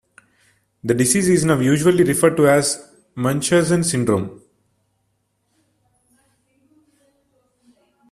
The disease is now usually referred to as Munchausen syndrome.